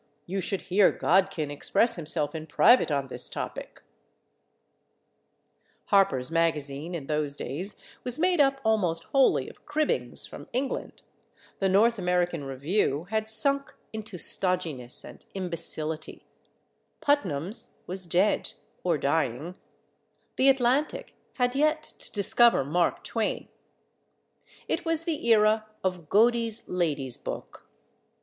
You should hear Godkin express himself in private on this topic." Harper's Magazine, in those days, was made up almost wholly of cribbings from England; the North American Review had sunk into stodginess and imbecility; Putnam's was dead, or dying; the Atlantic had yet to discover Mark Twain; it was the era of Godey's Lady's Book.